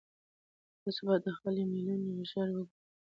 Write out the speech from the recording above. تاسو باید خپل ایمیلونه ژر وګورئ.